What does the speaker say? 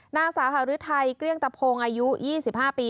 หน้าสาหรือไทยเกลี้ยงตะโพงอายุ๒๕ปี